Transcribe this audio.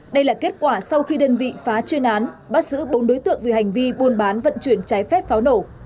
đây là kết quả sau khi đơn vị phá chuyên án bắt giữ bốn đối tượng về hành vi buôn bán vận chuyển trái phép pháo nổ